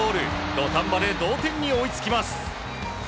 土壇場で同点に追いつきます。